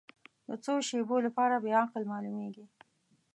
د څو شیبو لپاره بې عقل معلومېږي.